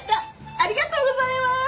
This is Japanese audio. ありがとうございます。